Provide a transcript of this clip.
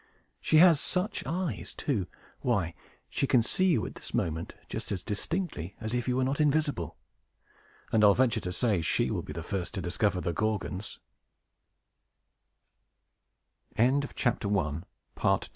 She has such eyes, too! Why, she can see you, at this moment, just as distinctly as if you were not invisible; and I'll venture to say, she will be the first to discover the